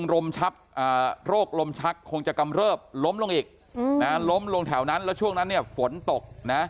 โรคลมชักคงจะกำเริบล้มลงอีกล้มลงแถวนั้นแล้วช่วงนั้นเนี่ยฝนตกนะ